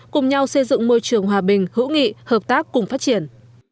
cùng nhau xây dựng môi trường hòa bình hữu nghị hợp tác cùng phát triển